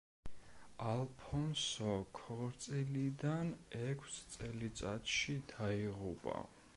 ალფონსო ქორწილიდან ექვს წელიწადში დაიღუპა.